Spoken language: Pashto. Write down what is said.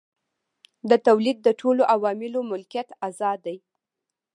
د تولید د ټولو عواملو ملکیت ازاد دی.